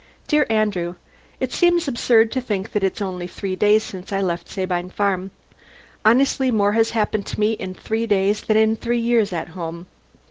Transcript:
DEAR ANDREW: It seems absurd to think that it's only three days since I left Sabine Farm. Honestly, more has happened to me in these three days than in three years at home.